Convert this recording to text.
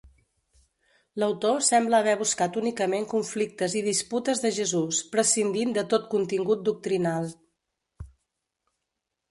L'autor sembla haver buscat únicament conflictes i disputes de Jesús, prescindint de tot contingut doctrinal.